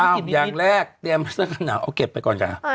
อาวอย่างแรกโอ้วใส่ผัดหนาวเอาเก็บไปก่อนกัน